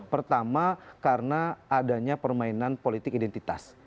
pertama karena adanya permainan politik identitas